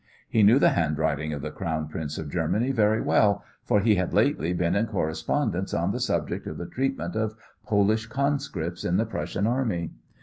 He knew the handwriting of the Crown Prince of Germany very well, for he had lately been in correspondence on the subject of the treatment of Polish conscripts in the Prussian Army.